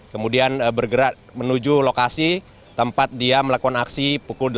kemudian bergerak menuju lokasi tempat dia melakukan aksi pukul delapan empat puluh lima tadi